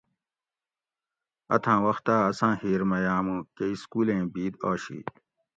اتاں وختا اساں ھیر می آمو کہ سکولیں بید آشی